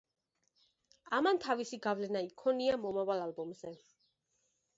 ამან თავისი გავლენა იქონია მომავალ ალბომზე.